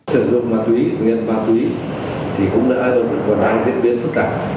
sử dụng ma túy nghiên ma túy thì cũng đã được hoàn toàn diễn biến phức tạp